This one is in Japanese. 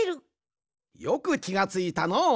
よくきがついたのう。